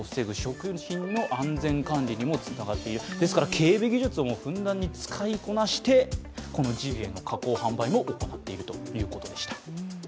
警備技術をふんだんに使いこなしてこのジビエの加工・販売も行っているということでした。